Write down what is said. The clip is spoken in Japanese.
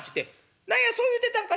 「何やそう言うてたんか。